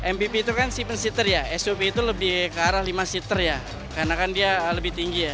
mbp itu kan sipil seater ya sop itu lebih ke arah lima seater ya karena kan dia lebih tinggi ya